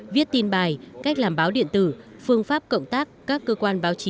viết tin bài cách làm báo điện tử phương pháp cộng tác các cơ quan báo chí